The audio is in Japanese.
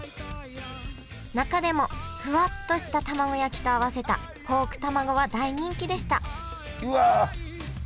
中でもふわっとしたたまご焼きと合わせたポークたまごは大人気でしたうわ